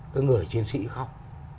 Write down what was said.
cái người chiến sĩ khóc